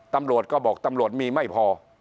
ตำรวจก็บอกตำรวจมีไม่พอ